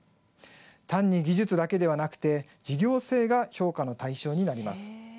単に技術だけではなくて事業性が評価の対象になります。